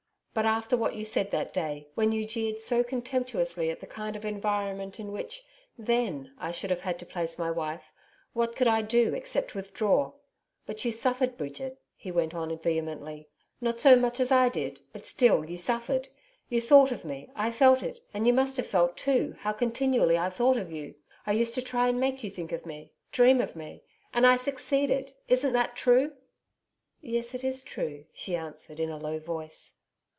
But after what you said that day, when you jeered so contemptuously at the kind of environment in which, THEN, I should have had to place my wife what could I do except withdraw? But you suffered, Bridget,' he went on vehemently. 'Not so much as I did but still you suffered. You thought of me I felt it, and you must have felt too, how continually I thought of you. I used to try and make you think of me dream of me. And I succeeded. Isn't that true?' 'Yes, it is true,' she answered in a low voice.